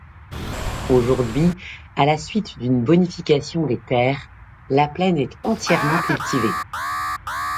Aujourd'hui, à la suite d'une bonification des terres, la plaine est entièrement cultivée.